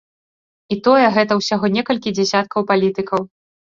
І тое, гэта ўсяго некалькі дзясяткаў палітыкаў.